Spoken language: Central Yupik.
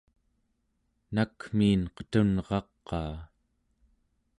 nakmiin qetunraqaa